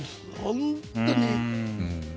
本当に。